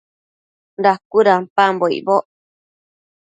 Dacuëdampambo icboc